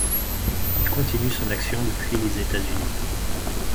Il continue son action depuis les États-Unis.